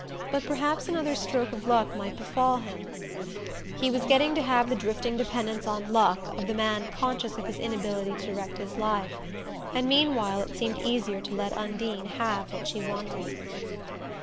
But perhaps another stroke of luck might befall him: he was getting to have the drifting dependence on "luck" of the man conscious of his inability to direct his life. And meanwhile it seemed easier to let Undine have what she wanted.